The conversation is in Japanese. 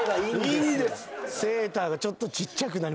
「セーターがちょっとちっちゃくなりました」